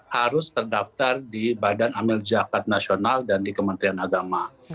harus terdaftar di badan amil zakat nasional dan di kementerian agama